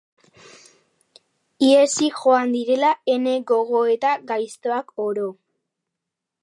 Ihesi joan direla ene gogoeta gaiztoak oro.